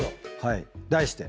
題して。